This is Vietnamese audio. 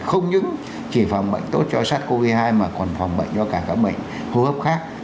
không những chỉ phòng bệnh tốt cho sars cov hai mà còn phòng bệnh cho cả các bệnh hô hấp khác